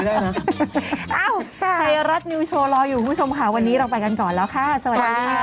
ไม่หนูเป็นไองูของเขาไปได้นะมิโลกอนีของเขาได้นะ